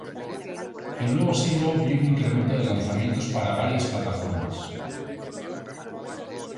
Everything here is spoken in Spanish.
El nuevo siglo vio un incremento de lanzamientos para varias plataformas.